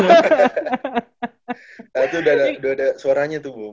nah itu udah ada suaranya tuh bu